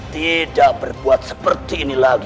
tidak berbuat seperti ini lagi